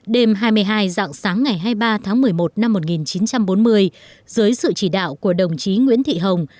đêm hai mươi hai dạng sáng ngày hai mươi ba tháng một mươi một năm một nghìn chín trăm bốn mươi dưới sự chỉ đạo của đồng chí nguyễn thị hồng